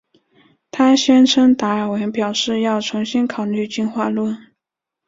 她宣称达尔文表示要重新考虑进化论。